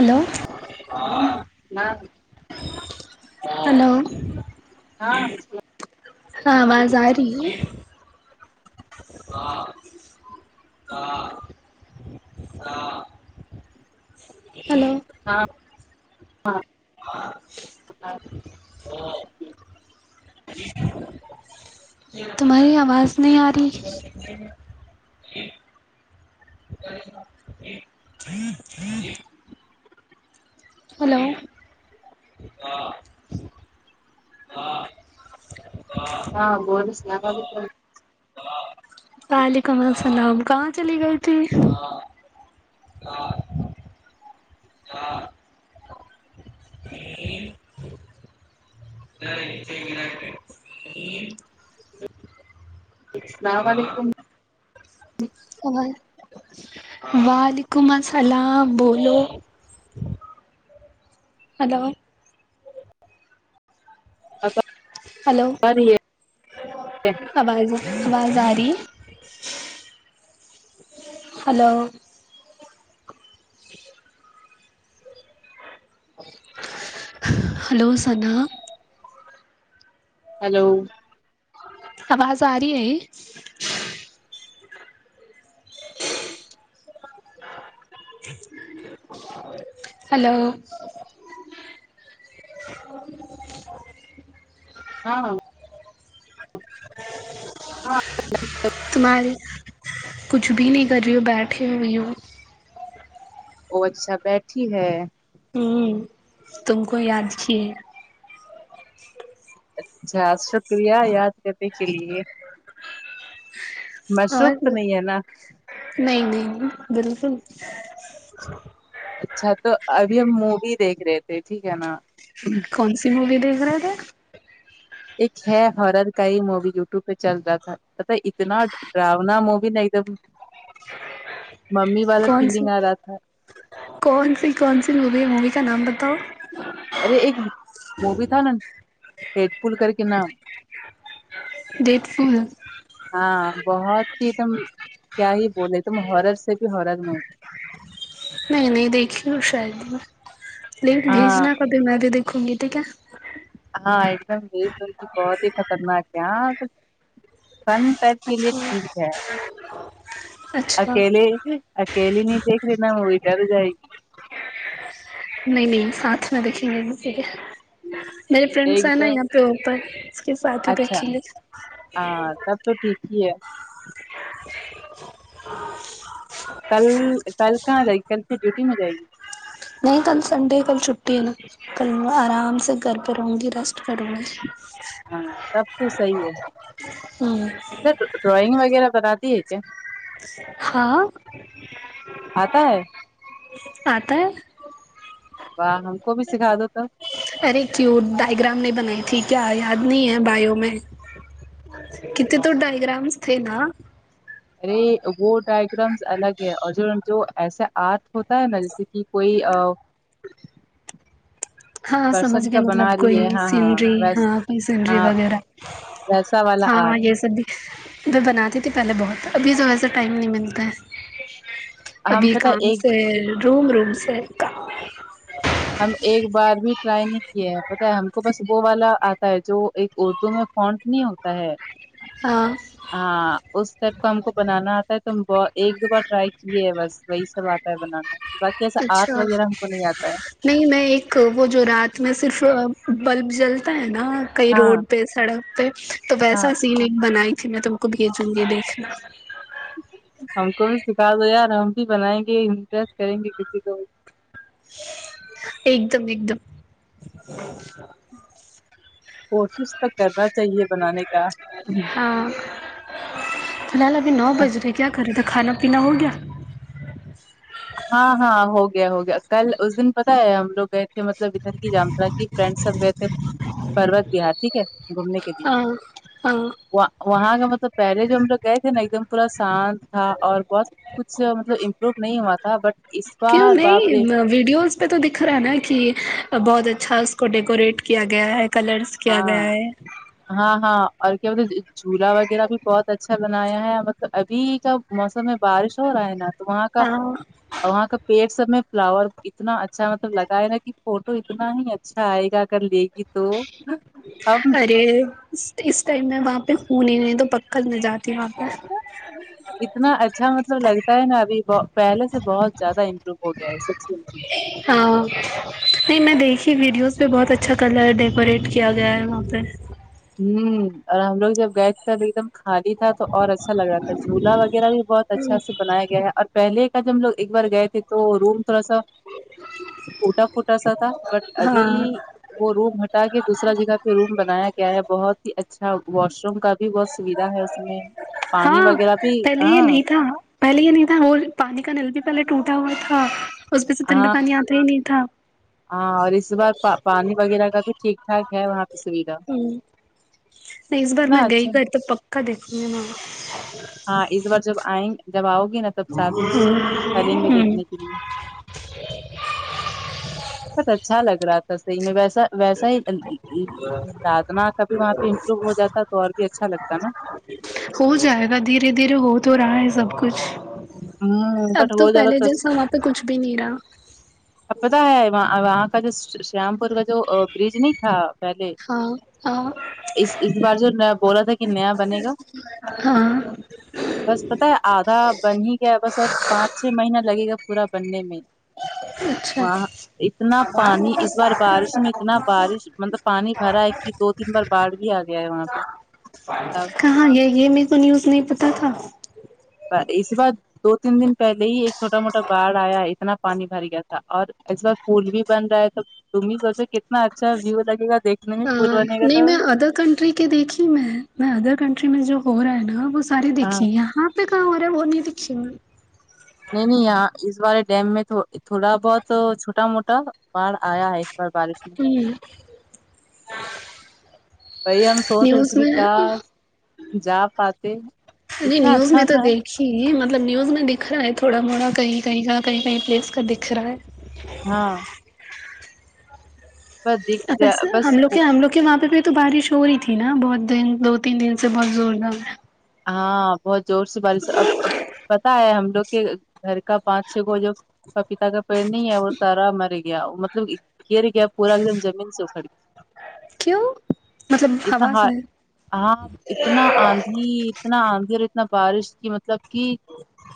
hello نا hello ہاں ہاں آواز ا رہی ہے ہیلو [unintelligible] تمہاری آواز نی اری ہیلو ہاں ہاں بولس کیا بولی وعلیکم السلام کہاں چلی گئے تھ [unintelligible] [unintelligible] السلام علیکم وعلیکم السلام بولو ہیلو ہیلو ارے ہی اواز اواز ارہی ہیلو ہیلو سنا ہیلو اواز ا رہی ہے ہیلو ہاں [unintelligible] تمہاری کچھ بھی نہیں کر رہی ہو بیٹھی ہوئی ہوں وہ اچھا بیٹھی ہے ہوں تم کو یاد کیے اچھا شکریہ یاد کرنے کے لیے اور مصروف تو نہیں ہے نا نہیں نہیں بالکل اچھا تو ابھی ہم مووی دیکھ رہے تھے ٹھیک ہے نا کون سی مووی دیکھ رہے تھے ایک ہے ہارر کئی مووی یوٹیوب پہ چل رہا تھا اتنا اتنا ڈراونا موی بھی نہیں دیکھو کون سی کون سی کون سی موی ہے مووی کا نام بتاؤ ارے ایک مووی تھا نا ہیڈ فول کر کے نام ڈیٹ فول ہاں بہت ہی دم کیا ہی بولے تم ہارر سے بھی ہرر مووی نہیں نہیں دیکھی ہ شاید ہی میں لن ہاں بھیجنا کبھی میں بھی دیکھوں گی ٹھیک ہے ہاں ایک دم د دی بہت ہی خطرناک ہے ہاں فن ٹایپ کے لیے اچھا ٹھیک ہے اچھا اکیلی اکیلی نہیں دیکری نہ م ا ڈر جئی نہیں نہیں ساتھ میں دکھھیں گے مھے کیا میرے فرینڈس ایک ہیں نا دم یہاں پہ اوپر اس کے ساتھ بھی اچھا بیٹھی لے ہاں تب تو ٹھیک ہی ہے کل کل کہاں جائے گی کل سے ڈیوٹی میں جائے گی نہیں کل سنڈے کل چھٹی ہے نہ کل میں آرام سے گھر پہ رہوں گی ریسٹ کروں گی ہاں تب تو صحیح ہے ہوں س ڈرائنگ وغیرہ بتاتی ہے کیا ہاں آتا ہے آتا ہے واہ ہم کو بھی سکھا دو تو ارے کیوں ڈائگرام نہیں بنائی تھی کیا یاد نہیں ہے بیو میں تب کت تو ڈائ گرامس تھے نا ارے وہ ڈائگرامس الگ ہے اور جو جو ایسا آرٹ ہوتا ہے نا جیسے کہ کوئی ہاں سمجھ پرسن گئے کا بنا مطلب رہی ہے کوئی ہاں ہاں سینری ویس ہاں کوئی سینری ہاں وغیرہ ویسا والا ہاں آرٹ یہ سب بھی میں بناتی تھی پہلے بہت ابھی تو ویسا ٹائم نہیں ملتا ہے ہم ابھی پتہ ہے کام ایک سے روم روم سے کام ہم ایک بار بھی ٹرائی نہیں کیے ہیں پتہ ہے ہم کو بس وہ والا آتا ہے جو ایک اردو میں فونٹ نہیں ہوتا ہے ہاں ہاں اس ٹائپ کا ہم کو بنانا آتا ہے تو ایک دو بار ٹرائی کی ہے بس وہی سب آتا ہے بنانا باقی ایسا آرٹ اچھا وغیرہ ہم کو نہیں آتا ہے نہیں میں ایک وہ جو رات میں صرف بلب جلتا ہے نا کئی ہاں روڈ پہ سڑک پہ تو ہاں ویسا سین ایک بنائی تھی میں تم کو بھیجوں گی دیکھنا ہم کو بھی سکھا دو یار ہم بھی بنائیں گےامپریس کریں گے کسی کوبھی ایک دم ایک دم کوشش تو کرنا چاہیے بنانے کا ہاں فی الحال ابھی نو بج رہے ہیں کیا کر رہے تھا کھانا پینا ہو گیا ہاں ہاں ہو گیا ہو گیا کل اس دن پتا ہے ہم لوگ گئے تھے مطلب [unintelligible] کی فرینڈ سب گئے تھے پروت بہار ٹھیک ہے گھومنے کے لیے ہاں ہاں وہاں کا مطلب پہلے جو ہم لوگ گئے تھے نا ایک دم پورا شانت تھا اور بہت کچھ مطلب امپرو نہیں ہوا تھا بٹ اس کیوں بار باپ رے گئی ویڈیوز اس پہ تو دکھ رہا ہے نا کہ بہت اچھا اس کو ڈیکوریٹ کیا گیا ہے کلرس کیا ہاں گیا ہے ہاں ہاں اور کیا بولتے جھولا وغیرہ بھی بہت اچھا بنایا ہے مطلب ابھی کا موسم میں بارش ہو رہا ہے نا تو وہاں کا ہاں اور وہاں کا پیڑ سب میں فلاور اتنا اچھا مطلب لگائے نا کہ فوٹو اتنا ہی اچھا آئے گا کل دیکھی تو ہم ارے تو اس ٹائم میں وہاں پہ پھول نہیں تو پکا میں جاتی وہاں پہ اتنا اچھا مطلب لگتا ہے نا ابھی پہلے سے بہت زیادہ امپرو ہو گیا ہے سب چیز ہاں نہیں میں دیکھی ویڈیوز پہ بہت اچھا کلر ڈیکوریٹ کیا گیا ہے وہاں پہ ہوں اور ہم لوگ جب گئے تھے تب ایک دم خالی تھا تو اور اچھا لگا تھا جھولا وغیرہ بھی بہت اچھا سے بنایا گیا ہے اور پہلے کاجو ہم لوگ ایک بار گئے تھے تو روم تھوڑا سا ٹوٹا فوٹا ایسا تھا بٹ ابھی ہاں وہ روم ہٹا کے دوسرا جگہ پہ روم بنایا گ کیا ہے بہت ہی اچھا واش روم کا بھی بہت سویدھا ہے اس میں پانی ہاں وغیرہ بھی پہلے یہ ہاں نہیں تھا پہلے یہ نہیں تھا اور پانی کا نل بھی پہلے ٹوٹا ہوا تھا اس میں سے ٹھنڈا ہاں پانی آتا ہی نہیں تھا ہاں اور اس بار پا پانی وغیرہ کا بھی ٹھیک ٹھاک ہے وہاں پہ سویدھا ہ نہیں اس بار میں اتنا گئی اچھا کر تو پکا دیکھوں گی میں وہاں ہاں اس بار جب آئیں جب آؤ گی نا تب ساتھ میں چلینگے ہ دیکھنے کے لیے بہت اچھا لگ رہا تھا صحیح میں ویسا ویسا ہی دادنا کبھی وہاں پہ امپرو ہو جاتا تو اور بھی اچھا لگتا نا ہو جائے گا دھیرے دھیرے ہو تو رہا ہے سب کچھ ہ اب بٹ تو ہو جا پہلے رہا جیسا وہاں پہ کچھ بھی نہیں رہا اب پتا ہے وہاں وہاں کا جو شام پور کا جو برج نہیں تھا پہلے ہاں اس اس بار جو بولا تھا کہ نیا بنے گا ہاں بس پتا ہے آدھا بن ہی گیا بس اور پانچ چھ مہینہ لگے گا پورا بننے میں اچھا وہاں اتنا پانی اس بار بارش میں اتنا بارش مطلب پانی بھرا ہے کہ دو تین بار باڑھ بھی آ گیا ہے وہاں پہ تب کہاں یہ یہ میرے کو نیوز نہیں پتا تھا پر اس بار دو تین دن پہلے ہی ایک چھوٹا موٹا باڑ آیا اتنا پانی بھر گیا تھا اور اس بار پول بھی بن رہا ہے تو تم ہی سوچو کتنا اتنا اچھا ویو لگیگا دیکھنے میں پول بنے گا تب ٹھیک ہے دیکھی میں میں ادر کنٹری میں جو ہو رہا ہے نا وہ ساری ہاں دیکھی یہاں دیکھا ہو رہا ہے وہ نہیں دیکھی ہم نے نہیں نہیں یہاں اس بارے ڈیم میں تھوڑا بہت چھوٹا موٹا باڑھ آیا ہے اس بار بارش میں ہوں وہی ہم سوچ رہی نیوز تھی کہ میں کا جا پاتے نہیں اتنا نیوز اچھا میں تو تھا دیک ہی مطلب نیوز میں دکھا ہے تھوڑا موڑا کہیں کہیں کا کہیں کہیں پلیس کا دکھ رہا ہے ہاں بس دیکھ اب ایسے بس ہم لوگ ہم لوگ وہاں پہ بھی تو بارش ہو رہی تھی نا بہت دن دو تین دن سے بہت زوردار ہاں بہت زور سے بارش اب اب پتا ہے ہم لوگ کے گھر کا پانچ چھ کو جو پپیتا کا پیڑ نہیں ہے وہ سارا مر گیا مطلب گر گیا پورا ایک دم زمین سے اکھڑ گیا کیوں مطلب اتنا ہوا ہے سے ہاں اتنا آن دہی اتنا آندھی اور اتنا بارش کی مطلب کی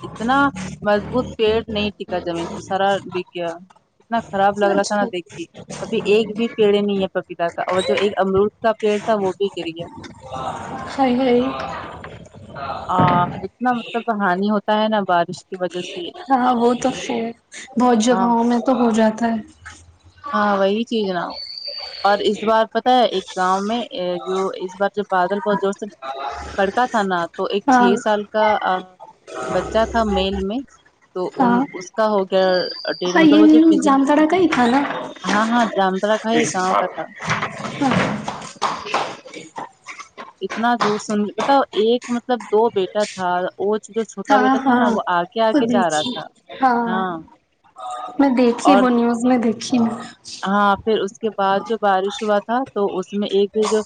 اتنا مضبوط پیٹ نہیں ٹکا زمین پہ سارا بک گیا اتنا خراب لگ رہا تھا نا اچھا دیکھ کے ابھی ایک بھی پیڑ نہیں ہے پپیتا کا اور جو ایک امرود کا پیڑ تھا وہ بھی گر گیا سیی آ اتنا مطلب ہانی ہوتا ہے نا بارش کی وجہ سے ہاں وہ تو ہے بہت ہاں جگہوں میں تو ہو جاتا ہے ہاں وہی چیز نہ اور اس بار پتہ ہے ایک گاؤں میں جو اس بار جو بادل بہت زور سے کڑکا تھانہ تو ایک چھ ہاں سال کا ا بچہ تھا میل میں تو ہاں ان کہو گیا ڈیڑھ ہاں مطلب یہ وہ جو نیوز بجلی جامتاڑا کا ہی تھا نا ہاں ہاں جامترا کھائی گاؤں کا تھا اتنا دور سن بتا ایک مطلب دو بیٹے [unintelligible] بیا تھا وہ جو چھوٹا ہاں بیٹا تھا ہاں نا وہ آگ تو آگے جا رہا تھا دیکھیے ہاں میں دیکھی اور وہ نیوز میں دیکھی میں ہاں پھر اس کے بعد جو بارش ہوا تھا تو اس میں ایک جو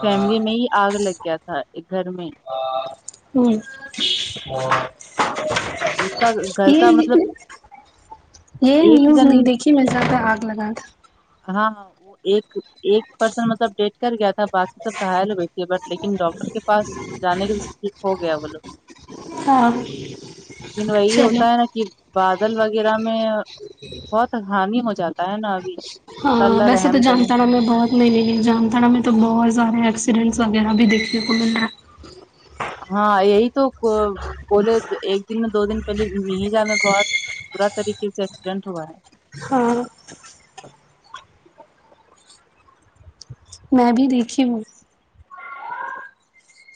فیملی میں ہی آگ لگ گیا تھا ایک گھر میں ہوں اس کا گھر کا یہ مطلب یہ ایک نیوز جن نہیں دیکھی میں جہاں پے آگ لگا تھا ہاں ہاں وہ ایک ایک پرسن مطلب ڈیٹ کر گیا تھا باقی سب گھائل ہو گئی تھے بٹ لیکن ڈاکٹر کے پاس جانے کے ٹھیک ہو گیا بولو ہاں لیکن وہی چلو ہوتا ہے نا کہ بادل وغیرہ میں بہت ہانی ہو جاتی ہاں ویسے تو جامتارا میں بہت نہیں نہیں نہیں جامتڑا میں تو بہت سارے ایکسیڈنٹس وغیرہ بھی دیکھنے کو مل رہا ہے ہاں یہی تو بولے ایک دن میں دو دن پہلے جا میں بہت [unintelligible] بڑا طریقے سے ایکسیڈنٹ ہوا ہے ہاں میں بھی دیکھی ہوں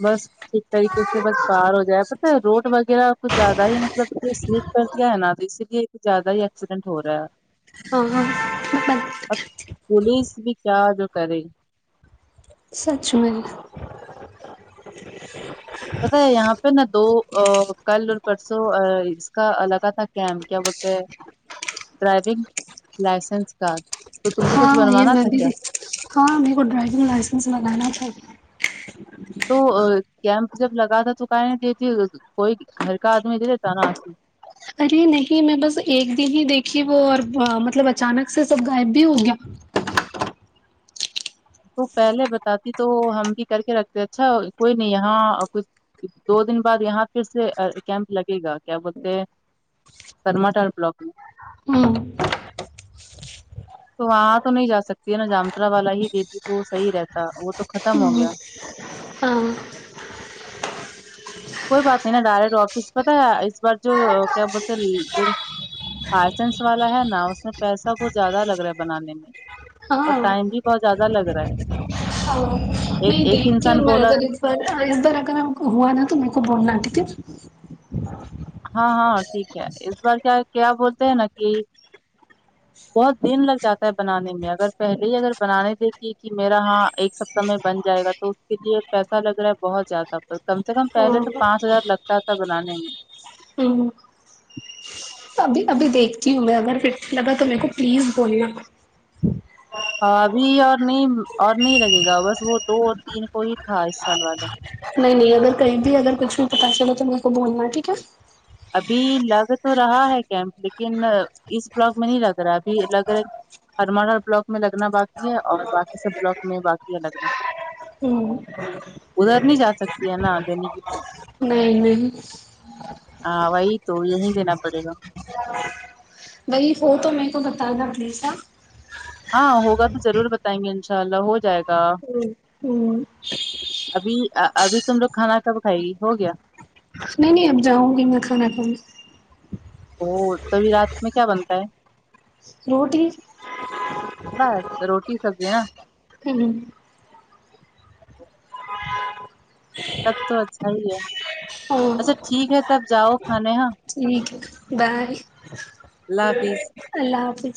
بس ٹھیک طریقے سے بس باہر ہو جائے پتا روڈ وغیرہ کچھ زیادہ ہی مطلب کہ سلیپ کر دیا ہے نا تو اسی لیے کچھ زیادہ ہی ایکسیڈنٹ ہو رہا ہے او اب [unintelligible] پولیس بھی کیا جو کرے گی سچ میں پتا ہے یہاں پہ نا دو کل اور پرسوں اس کا لگاتار کیام کیا بولتے ہیں ڈرائیونگ لائسنس کا تو تم کو کچھ ہاں یہ بنوانا میں تھا بھی کیا ہاں میرے کو ڈرائیونگ لائسنس بنانا تھا تو کیمپ جب لگا تھا تو کہیں نہیں دیتی کوئی گھر کا آدمی دے دیتا نا ارے نہیں میں بس ایک دن ہی دیکھی وہ اور مطلب اچانک سے سب غائب بھی ہو گیا تو پہلے بتاتی تو ہم بھی کر کے رکھتے اچھا کوئی نہیں یہاں کچھ دو دن بعد یہاں پھر سے کیمپ لگے گا کیا بولتے ہیں کررمٹا بلاک میں ہوں تو وہاں تو نہیں جا سکتی ہے نا جامترا والا ہی دتی تو وہ صحیح رہتا وہ تو ختم ہو گیا ہاں کوئی بات نہیں نا ڈائریکٹ آفس پتا ہے اس بار جو کیا بولتے ہے لائسنس والا ہے نا اس میں پیسہ کچھ زیادہ لگ رہا ہے بنانے میں اور ہاں ٹائم بھی بہت زیادہ لگ رہا ہے ہاں ایک نہیں ایک دیکھتی انسان ہوں میں بولا اگر اس بار اگر ہم کو ہوا نا تو میرے کو بولنا ٹھیک ہے ہاں ہاں ٹھیک ہے اس بار کیا کیا بولتے ہیں نا کہ بہت دن لگ جاتا ہے بنانے میں اگر پہلے ہی اگر بنانے دیکھے کی میرا ہاں ایک س سمے بن جائے گا تو اس کے لیے پیسہ لگ رہا ہے بہت زیادہ کم سے کم پہلے تو پانچ ہاں ہزار لگتا تھا بنانے میں ہوں ابھی ابھی دیکھتی ہوں میں اگر پھر سے لگا تو میرے کو پلیز بولنا ہاں ابھی اور نہیں اور نہیں لگے گا بس وہ دو اور تین کو ہی تھا اس سال والا نہیں نہیں اگر کہیں بھی اگر کچھ بھی پتا چلاو تو میرے کو بولنا ٹھیک ہے ابھی لگ تو رہا ہے کیمپ لیکن اس بلاک میں نہیں لگ رہا ابھی لگ رہا ہرمڑا بلاک میں لگنا باقی ہے اور باقی سب بلاک میں باقی ہے لگنا ھمم ادھر نہیں جا سکتی ہے نا دینے کے لیے نہیں نہیں ہاں وہی تو یہی دینا پڑے گا وہی فوٹو میرے کو بتا نا پلیز ہاں ہاں ہوگا تو ضرور بتائیں گے انشاء اللہ ہو جائے گا ھمم ابھی ابھی تم لوگ کھانا کب کھائے گی ہو گیا نہیں نہیں اب جاؤنگی میں کھانا کھانے اور تبھی رات میں کیا بنتا ہے روٹی بس روٹی سبزی نا ھمم تب تو اچھا ہی ہے اچھا ہاں ٹھیک ہے تب جاؤ کھانے ہاں ٹھیک ہے بائے اللہ حافظ اللہ حافظ